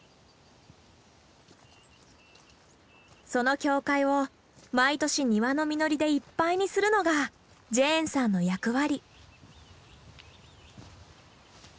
その教会を毎年庭の実りでいっぱいにするのがジェーンさんの役割。